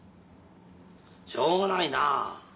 しょうがないな。